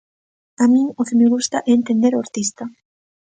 A min o que me gusta é entender o artista.